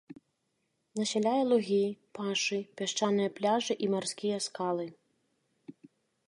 Насяляе лугі, пашы, пясчаныя пляжы і марскія скалы.